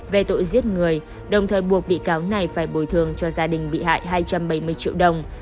về tội giết người đồng thời buộc bị cáo này phải bồi thường cho gia đình bị hại hai trăm bảy mươi triệu đồng